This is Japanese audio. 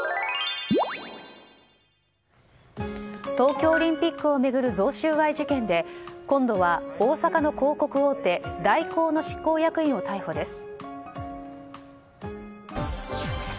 東京オリンピックを巡る贈収賄事件で今度は大阪の広告大手・大広の執行役員を逮捕です。